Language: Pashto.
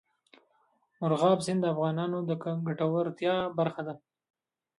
مورغاب سیند د افغانانو د ګټورتیا برخه ده.